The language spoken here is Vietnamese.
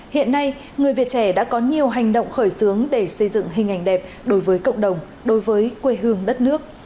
hiện nay người việt trẻ đã có nhiều hành động khởi xướng để xây dựng hình ảnh đẹp đối với cộng đồng đối với quê hương đất nước